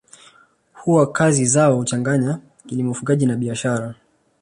Huwa kazi zao huchachanganya kilimo ufugaji na biashara